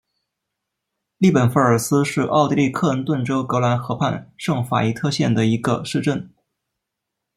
利本弗尔斯是奥地利克恩顿州格兰河畔圣法伊特县的一个市镇。